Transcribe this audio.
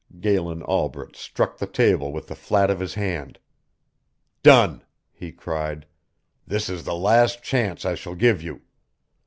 Galen Albret struck the table with the flat of his hand. "Done!" he cried, "This is the last chance I shall give you.